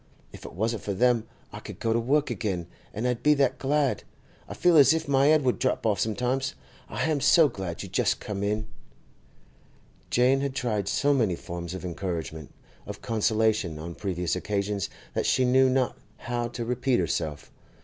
If it wasn't for them I could go to work again, an' I'd be that glad; I feel as if my 'ed would drop off sometimes! I ham so glad you just come in!' Jane had tried so many forms of encouragement, of consolation, on previous occasions that she knew not how to repeat herself.